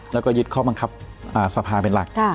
แล้วก็ยึดข้อบังคับสภาเป็นหลัก